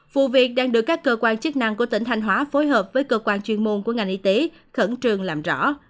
vụ việc đang được các cơ quan chức năng của tỉnh thanh hóa phối hợp với cơ quan chuyên môn của ngành y tế khẩn trương làm rõ